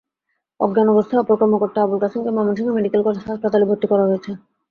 অজ্ঞান অবস্থায় অপর কর্মকর্তা আবুল কাসেমকে ময়মনসিংহ মেডিকেল কলেজ হাসপাতালে ভর্তি করা হয়েছে।